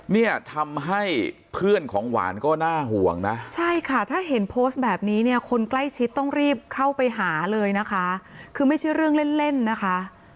เนี่ยทำให้เพื่อนของหวานก็น่าห่วงนะใช่ค่ะถ้าเห็นโพสต์แบบนี้เนี่ยคนใกล้ชิดต้องรีบเข้าไปหาเลยนะคะคือไม่ใช่เรื่องเล่นเล่นนะคะ